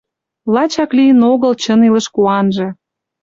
Лачак лийын огыл чын илыш куанже.